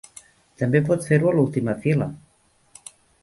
També pot fer-ho a l'última fila.